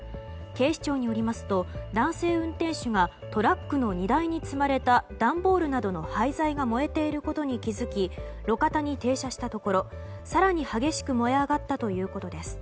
警視庁によりますと男性運転手がトラックの荷台に積まれた段ボールなどの廃材が燃えていることに気づき路肩に停車したところ更に激しく燃え上がったということです。